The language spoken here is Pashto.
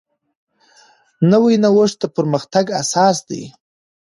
نوی نوښت د پرمختګ اساس دی